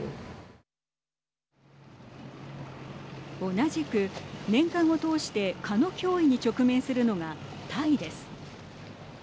同じく年間を通して蚊の脅威に直面するのがタイです。